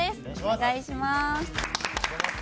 お願いします。